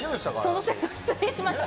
その節は失礼しました。